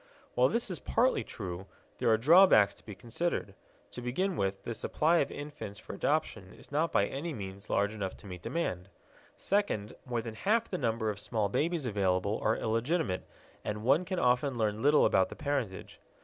While this is partly true, there are drawbacks to be considered. To begin with, the supply of infants for adoption is not by any means large enough to meet the demand. Second, more than half the number of small babies available are illegitimate, and one can often learn little about the parentage.